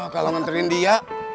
kalau nganterin dia